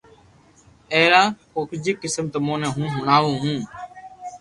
ائرا ڪجھ قسم ھون تموني ھڻاوُ ھون